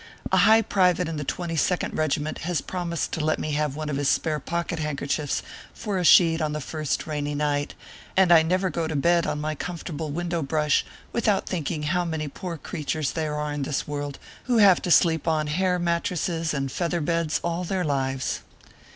A high private in the Twenty second Kegiment has promised to let me have one of his spare pocket handkerchiefs for a sheet on the first rainy night, and I never go to bed on my comfortable window brush without thinking how many poor creatures there are in this world who have to sleep on hair mattresses and feather beds all their lives.